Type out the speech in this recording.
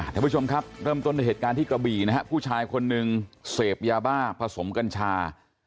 ทุกผู้ชมครับเดิมต้นที่เกบีนะครับผู้ชายคนหนึ่งเสพยาบ้าผสมกัญชา